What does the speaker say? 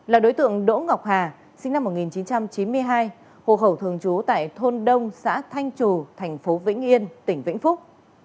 là đối tượng đỗ ngọc hà sinh năm một nghìn chín trăm chín mươi hai hộ khẩu thường trú tại thôn đông xã thanh trù thành phố vĩnh yên tỉnh vĩnh phúc